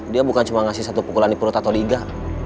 dia bukan cuma ngasih satu pukulan di perut atau liga